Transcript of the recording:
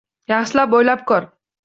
Yaxshilab o`ylab ko`r